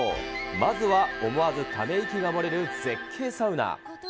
まずは思わずため息が漏れる絶景サウナ！